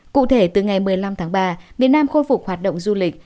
cụ thể từ ngày một mươi năm tháng ba việt nam khôi phục hoạt động du lịch